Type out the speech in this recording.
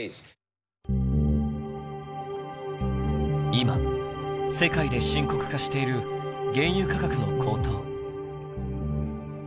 今世界で深刻化している原油価格の高騰。